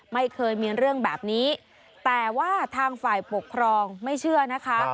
ไม่เคยมีเรื่องแบบนี้แต่ว่าทางฝ่ายปกครองไม่เชื่อนะคะ